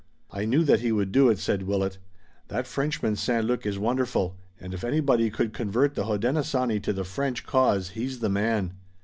"I knew that he would do it," said Willet. "That Frenchman, St. Luc, is wonderful, and if anybody could convert the Hodenosaunee to the French cause he's the man.